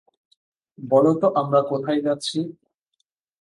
বল তো আমরা কোথায় যাচ্ছি?